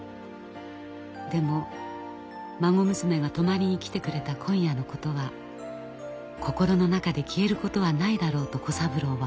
でも孫娘が泊まりに来てくれた今夜のことは心の中で消えることはないだろうと小三郎は思いました。